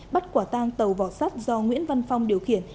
bắt quả tang tàu vỏ sắt do nguyễn văn phong điều khiển